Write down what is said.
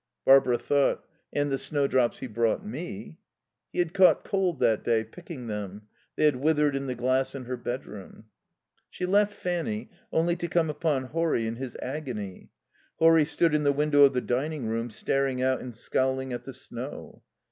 Barbara thought: "And the snowdrops he brought me." He had caught cold that day, picking them. They had withered in the glass in her bedroom. She left Fanny, only to come upon Horry in his agony. Horry stood in the window of the dining room, staring out and scowling at the snow.